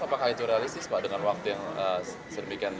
apakah itu realistis pak dengan waktu yang sedemikian